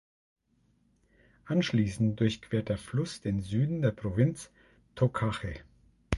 Anschließend durchquert der Fluss den Süden der Provinz Tocache.